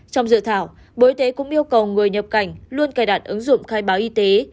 trong dự thảo bộ y tế cũng yêu cầu người nhập cảnh luôn cài đặt ứng dụng khai báo y tế